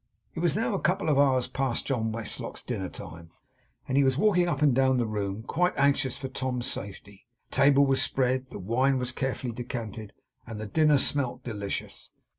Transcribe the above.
It was now a couple of hours past John Westlock's dinner time; and he was walking up and down the room, quite anxious for Tom's safety. The table was spread; the wine was carefully decanted; and the dinner smelt delicious.